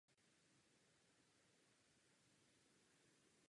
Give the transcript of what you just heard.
Pro kontinentální Evropu je typická převaha elektrické trakce.